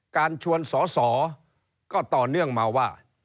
การชวนสอสอก็ต่อเนื่องมาว่า